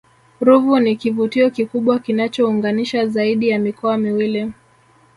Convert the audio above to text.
ruvu ni kivutio kikubwa kinachounganisha zaidi ya mikoa miwili